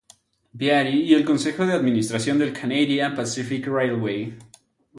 Beatty y el Consejo de Administración del Canadian Pacific Railway.